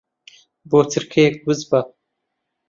بۆ چرکەیەک وس بە.